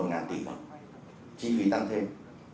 cộng một mươi một tỷ chi phí tăng thêm